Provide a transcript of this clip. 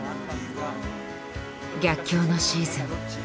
逆境のシーズン。